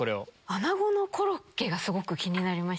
アナゴのコロッケがすごく気になりまして。